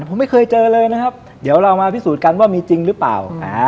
ผมไม่เคยเจอเลยนะครับเดี๋ยวเรามาพิสูจน์กันว่ามีจริงหรือเปล่า